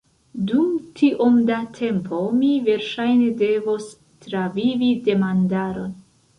Dum tiom da tempo, mi verŝajne devos travivi demandaron.